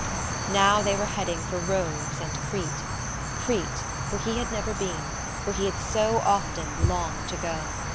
Now they were heading for Rhodes and Crete Crete, where he had never been, where he had so often longed to go.